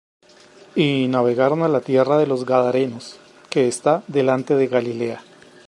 Y navegaron á la tierra de los Gadarenos, que está delante de Galilea.